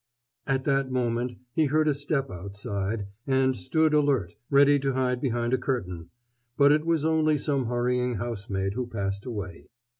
At that moment he heard a step outside, and stood alert, ready to hide behind a curtain; but it was only some hurrying housemaid who passed away.